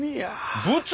部長！